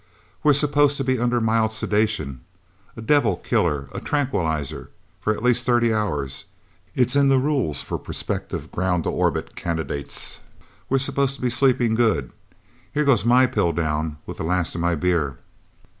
"We're supposed to be under mild sedation a devil killer, a tranquilizer for at least thirty hours. It's in the rules for prospective ground to orbit candidates. We're supposed to be sleeping good. Here goes my pill down, with the last of my beer..."